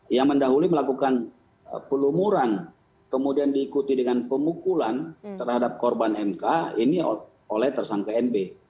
ia mendahului melakukan pelumuran kemudian diikuti dengan pemukulan terhadap korban mk ini oleh tersangka nb